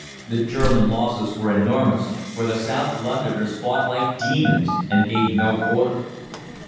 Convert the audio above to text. The German losses were enormous, for the South Londoners fought like demons and gave no quarter.